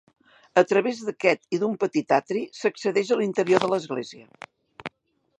A través d'aquest i d'un petit atri s'accedeix a l'interior de l'església.